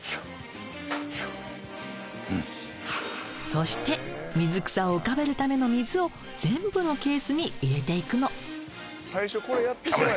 そして水草を浮かべるための水を全部のケースに入れていくの。